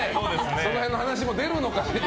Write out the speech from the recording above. その辺の話も出るのかしら。